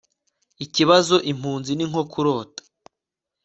Ikibazo impunzi ni nko kurota